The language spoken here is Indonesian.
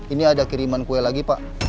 ini ada kiriman kue lagi pak